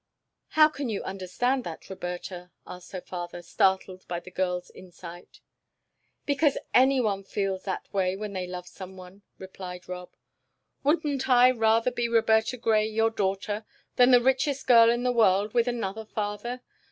"How can you understand that, Roberta?" asked her father, startled by the girl's insight. "Because anyone feels that way when they love someone," replied Rob. "Wouldn't I rather be Roberta Grey, your daughter, than the richest girl in the world with another father?